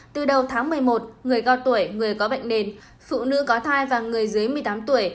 từ đầu tháng một mươi một người cao tuổi người có bệnh nền phụ nữ có thai và người dưới một mươi tám tuổi